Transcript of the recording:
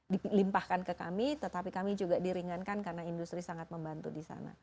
dilimpahkan ke kami tetapi kami juga diringankan karena industri sangat membantu di sana